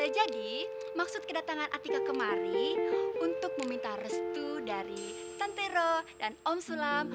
jadi maksud kedatangan atika kemari untuk meminta restu dari tante ro dan om culam